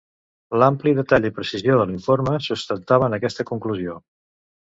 L'ampli detall i precisió de l'informe, sustentaven aquesta conclusió.